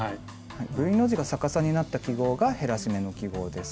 Ｖの字が逆さになった記号が減らし目の記号です。